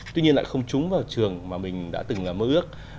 tuy nhiên lại không trúng vào trường mà mình đã từng mơ ước